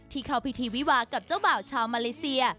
เข้าพิธีวิวากับเจ้าบ่าวชาวมาเลเซีย